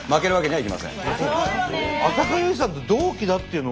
はい。